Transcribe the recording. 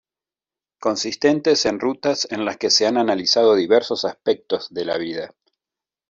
consistentes en rutas en las que se han analizado diversos aspectos de la vida